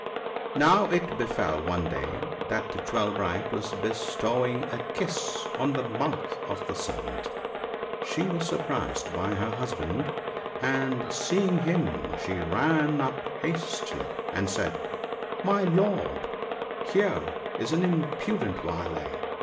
»> Now it befell one day that as Jewel bright was bestowing a kiss on the mouth of the servant, she was surprised by her husband ; and seeing him she ran up hastily and said, " My lord, here is an impudent varlet